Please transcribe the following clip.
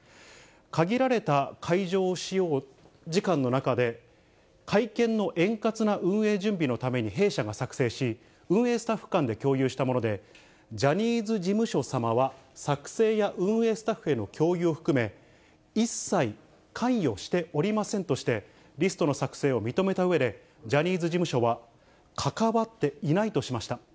限られた会場使用時間の中で、会見の円滑な運営準備のために弊社が作成し、運営スタッフ間で共有したもので、ジャニーズ事務所様は作成や運営スタッフへの共有を含め、一切関与しておりませんとして、リストの作成を認めたうえで、ジャニーズ事務所は関わっていないとしました。